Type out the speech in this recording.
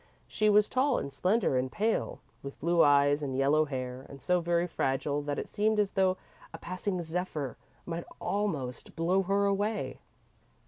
She was tall, and slender, and pale, with blue eyes and yellow hair, and so very fragile that it seemed as though a passing zephyr might almost blow her away.